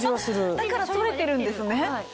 だから剃れてるんですね。